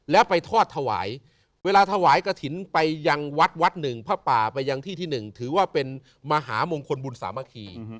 แล้วไปทอดถวายเวลาถวายกระถิ่นไปยังวัดวัดหนึ่งพระป่าไปยังที่ที่๑ถือว่าเป็นมหามงคลบุญสามัคคี